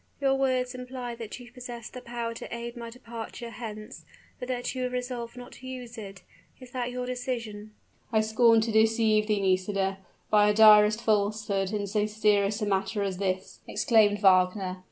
Your words imply that you possess the power to aid my departure hence, but that you have resolved not to use it. Is that your decision?" "I scorn to deceive thee, Nisida, by a direct falsehood in so serious a matter as this," exclaimed Wagner.